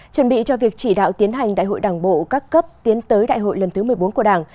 chuẩn bị cho việc chỉ đạo tiến hành đại hội đảng bộ các cấp tiến tới đại hội lần thứ một mươi bốn của đảng